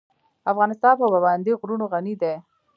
افغانستان په پابندی غرونه غني دی.